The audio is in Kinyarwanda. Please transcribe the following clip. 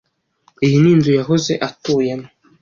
Iyi ni inzu yahoze atuyemo.